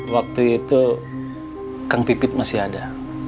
waktu itu kang pipit masih ada